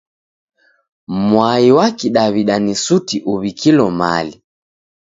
Mwa wa Kidaw'ida ni suti uw'ikilo mali.